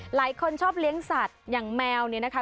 หลายคนชอบเลี้ยงสัตว์อย่างแมวเนี่ยนะคะ